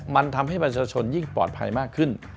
มันทำให้ประชาชนยิ่งปลอดภัยมากขึ้น